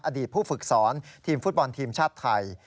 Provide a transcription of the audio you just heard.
อดีตผู้ฝึกสอนทีมฟุตบอลทีมชาติไทย